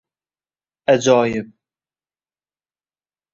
— Ajoyib.